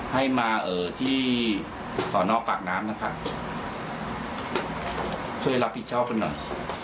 ให้มาที่สอนอปากน้ำนะครับช่วยรับผิดชอบกันหน่อย